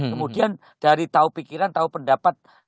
kemudian dari tahu pikiran tahu pendapat